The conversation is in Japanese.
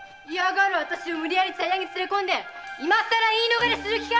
無理やり茶屋に連れ込んで今更言い逃れする気か！